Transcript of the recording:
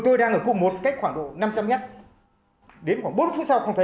tôi đang ở cùng một cách khoảng độ năm trăm linh nhất đến khoảng bốn phút sau không thấy